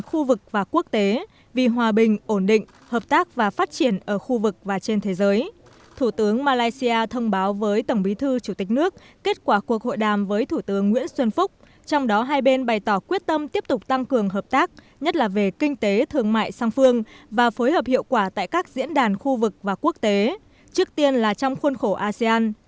khu vực và quốc tế vì hòa bình ổn định hợp tác và phát triển ở khu vực và trên thế giới thủ tướng malaysia thông báo với tổng bí thư chủ tịch nước kết quả cuộc hội đàm với thủ tướng nguyễn xuân phúc trong đó hai bên bày tỏ quyết tâm tiếp tục tăng cường hợp tác nhất là về kinh tế thương mại sang phương và phối hợp hiệu quả tại các diễn đàn khu vực và quốc tế trước tiên là trong khuôn khổ asean